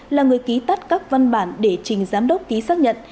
là người ký tắt các văn bản để trình giám đốc ký xác nhận